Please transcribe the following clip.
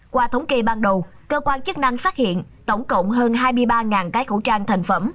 qua thống kê ban đầu cơ quan chức năng phát hiện tổng cộng hơn hai mươi ba cái khẩu trang thành phẩm